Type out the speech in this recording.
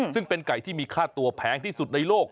ซึ่งเป็นไก่ที่มีค่าตัวแพงที่สุดในโลก